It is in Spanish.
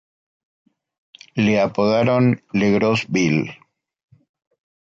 Le apodaron "Le Gros Bill".